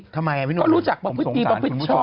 ก็รู้จักประพฤติประพฤติชอบ